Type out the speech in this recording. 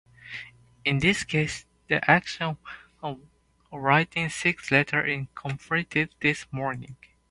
In this case, the action of writing six letters is completed this morning.